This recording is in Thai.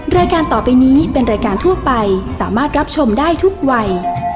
รายการต่อไปนี้เป็นรายการทั่วไปสามารถรับชมได้ทุกวัย